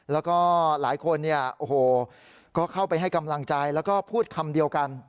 แล้วก็หลายคนเนี่ยโอ้โหก็เข้าไปให้กำลังใจแล้วก็พูดคำเดียวกัน